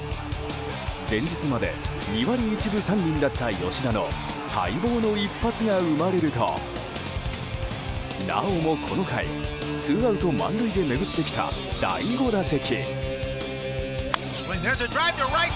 前日まで２割１分３厘だった吉田の待望の一発が生まれるとなおもこの回、ツーアウト満塁で巡ってきた第５打席。